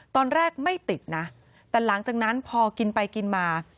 ตอนแรกไม่ติดนะแต่หลังจากนั้นพอกินไปกินมา